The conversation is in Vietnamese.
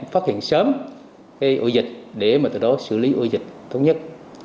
phát hiện sớm cái ưu dịch để mà từ đó xử lý ưu dịch tốt nhất